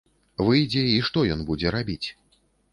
Выйдзе, і што ён будзе рабіць?